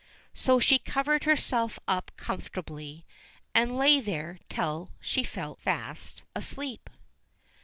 So she covered herself up comfortably, and lay there till she fell fast asleep.